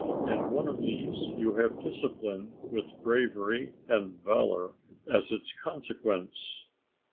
In one of these you have discipline with bravery and valour as its consequence.